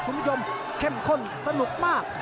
คุณผู้ชมเข้มข้นสนุกมาก